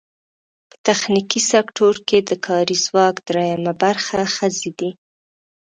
په تخنیکي سکټور کې د کاري ځواک درېیمه برخه ښځې دي.